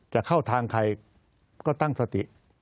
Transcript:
จะเข้าทางใครก็ตั้งสติ